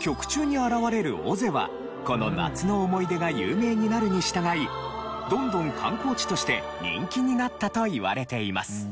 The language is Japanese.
曲中に現れる尾瀬はこの『夏の思い出』が有名になるに従いどんどん観光地として人気になったといわれています。